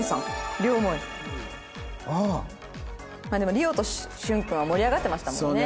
まあでも莉桜と峻君は盛り上がってましたもんね。